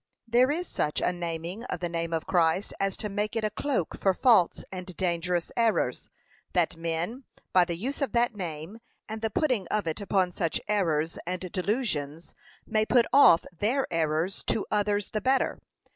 There is such a naming of the name of Christ as to make it a cloak for false and dangerous errors: that men, by the use of that name, and the putting of it upon such errors and delusions, may put off their errors to others the better.